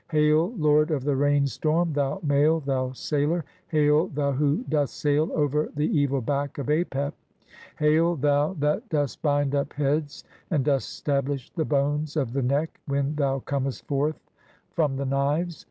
"Hail, lord of the rain storm, thou Male, thou Sailor ! Hail, "thou who dost sail over the evil back of Apep ! Hail, thou "that dost bind up heads and dost stablish the bones of the "neck (5) when thou comest forth from the knives.